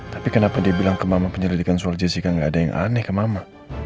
tapi kenapa dia bilang ke mama penyelidikan soal jessica nggak ada yang aneh ke mama